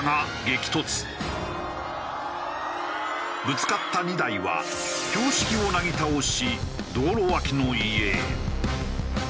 ぶつかった２台は標識をなぎ倒し道路脇の家へ。